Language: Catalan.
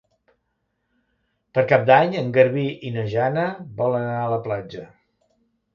Per Cap d'Any en Garbí i na Jana volen anar a la platja.